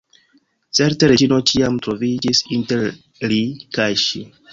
Certe Reĝino ĉiam troviĝis inter li kaj ŝi.